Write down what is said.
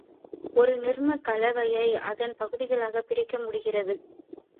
ஒரு நீர்மக் கலவையை அதன் பகுதிகளாகப் பிரிக்க முடிகிறது.